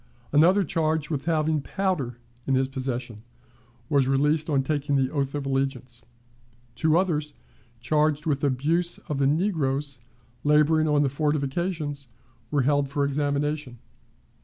Another, charged with having powder in his possession, was released on taking the oath of allegiance. Two others, charged with abuse of the negroes laboring on the fortifications, were held for examination.